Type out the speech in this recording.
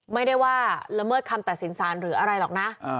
ไม่ได้ว่าละเมิดคำตัดสินสารหรืออะไรหรอกนะ